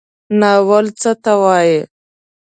ناول څه ته وایي؟